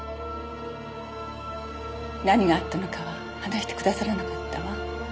何があったのかは話してくださらなかったわ。